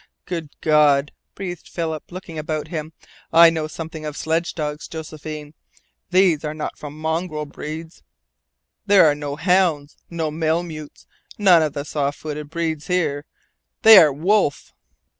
"Good God!" breathed Philip, looking about him. "I know something of sledge dogs, Josephine. These are not from mongrel breeds. There are no hounds, no malemutes, none of the soft footed breeds here. They are WOLF!"